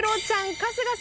春日さん